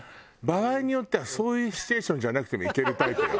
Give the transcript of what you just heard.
場合によってはそういうシチュエーションじゃなくてもいけるタイプよ。